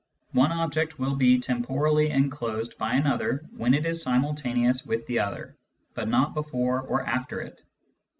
One object will be temporally enclosed by another when it is simultaneous with the other, but not before or after it.